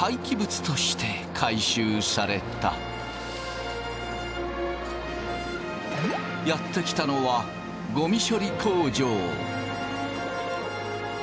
生ママはやって来たのはゴミ処理工場。